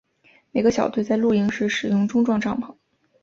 每个小队在露营时使用钟状帐篷。